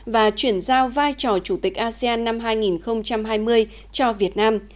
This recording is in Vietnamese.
và chuyển giao vai trò chủ tịch asean năm hai nghìn hai mươi cho việt nam